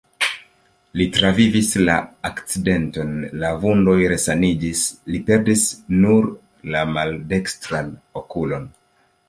Li transvivis la akcidenton, la vundoj resaniĝis, li perdis nur la maldekstran okulon.